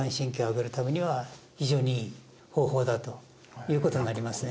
非常にだということになりますね